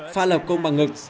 pha lập công bằng ngực